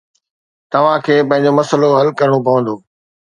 توهان کي پنهنجو مسئلو حل ڪرڻو پوندو